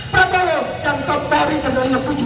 kapolri dan kapolri terdiri dari suci